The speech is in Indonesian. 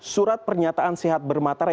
surat pernyataan sehat bermatara